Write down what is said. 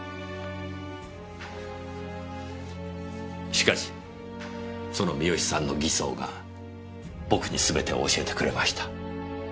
しかしその三好さんの偽装が僕にすべてを教えてくれました。